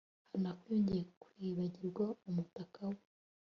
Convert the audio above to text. Hanako yongeye kwibagirwa umutaka we